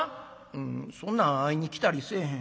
「うんそんなん会いに来たりせえへん。